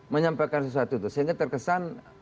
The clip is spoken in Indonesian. menyampaikan sesuatu itu sehingga terkesan